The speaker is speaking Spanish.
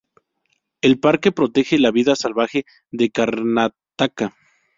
El parque protege la vida salvaje de Karnataka.